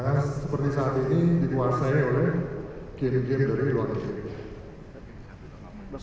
dan seperti saat ini dikuasai oleh game game dari luar negeri